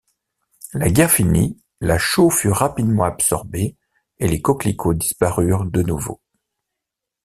La guerre finie, la chaux fut rapidement absorbée et les coquelicots disparurent de nouveau.